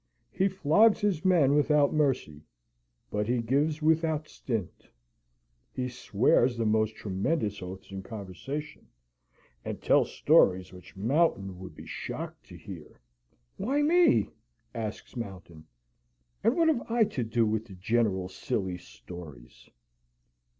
He flogs his men without mercy, but he gives without stint. He swears most tremendous oaths in conversation, and tells stories which Mountain would be shocked to hear " "Why me?" asks Mountain; "and what have I to do with the General's silly stories?"